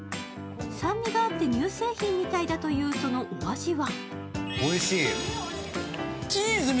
酸味があって乳製品みたいだという、そのお味は？